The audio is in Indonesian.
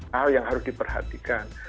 hal yang harus diperhatikan